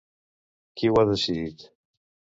Qui ho ha decidit?